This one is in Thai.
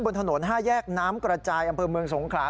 บนถนน๕แยกน้ำกระจายอำเภอเมืองสงขลา